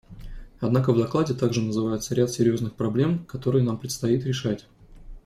Однако в докладе также называется ряд серьезных проблем, которые нам предстоит решать.